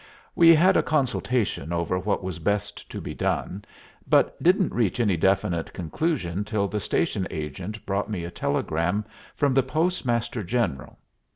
We had a consultation over what was best to be done, but didn't reach any definite conclusion till the station agent brought me a telegram from the Postmaster General.